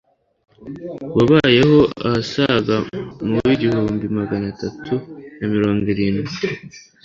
wabayeho ahasaga mu wi igihumbi magana atatu na mirongo irindwi